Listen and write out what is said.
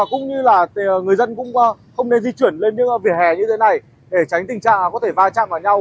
cũng như là người dân cũng không nên di chuyển lên những vỉa hè như thế này để tránh tình trạng có thể va chạm vào nhau